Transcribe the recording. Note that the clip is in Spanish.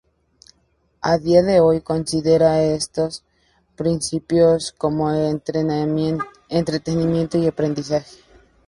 A día de hoy considera estos principios como entretenimiento y aprendizaje.